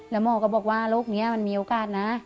แล้วหมอก็บอกว่าโรคนี้มันมีโอกาสนะ